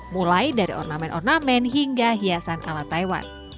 mulai dari ornamen ornamen hingga hiasan ala taiwan